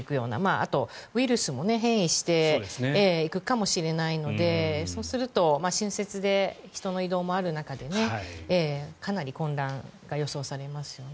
あと、ウイルスも変異していくかもしれないのでそうすると春節で人の移動もある中でかなり混乱が予想されますよね。